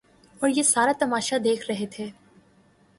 اوریہ سارا تماشہ دیکھ رہے تھے۔